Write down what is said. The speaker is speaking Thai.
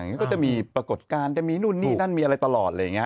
ก็จะมีปรากฏการณ์จะมีนู่นนี่นั่นมีอะไรตลอดอะไรอย่างนี้